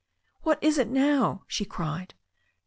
"What is it now?" she cried.